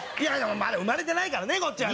産まれてないからねこっちは。